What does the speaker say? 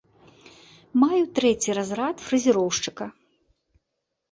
Маю трэці разрад фрэзероўшчыка.